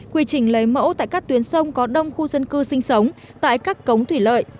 quy trình lấy mẫu tại các tuyến sông có đông khu dân cư sinh sống tại các cống thủy lợi